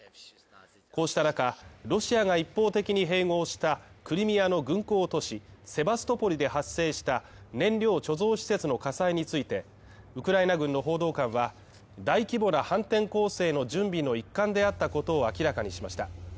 こうした中、ロシアが一方的に併合したクリミアの軍港都市セバストポリで発生した燃料貯蔵施設の火災について、ウクライナ軍の報道官は、大規模な反転攻勢の準備の一環であったことを明らかにしました。